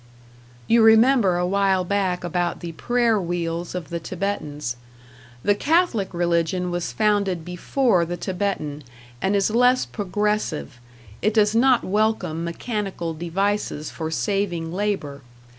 You remember a while back about the prayer wheels of the Thibetans. The Catholic religion was founded before the Thibetan, and is less progressive; it does not welcome mechanical devices for saving labor.